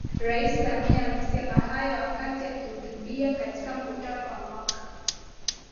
Rais Samia amesema hayo wakati akihutubia katika Mkutano wa Mwaka